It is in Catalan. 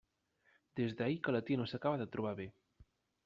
Des d'ahir que la tia no s'acaba de trobar bé.